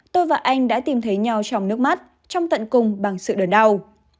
tôi và anh đã tìm thấy nhau trong nước mắt trong tận cùng bằng sự đờn đau